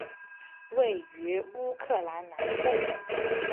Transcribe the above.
位于乌克兰南部。